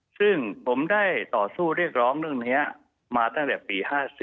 ซึ่งผมได้ต่อสู้เรียกร้องเรื่องนี้มาตั้งแต่ปี๕๔